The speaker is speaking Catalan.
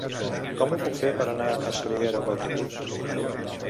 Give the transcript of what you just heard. Com ho puc fer per anar a Soriguera amb autobús?